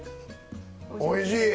おいしい。